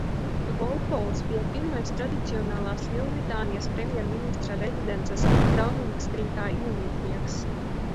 Volpols bija pirmais tradicionālās Lielbritānijas premjerministra rezidences Dauningstrītā iemītnieks.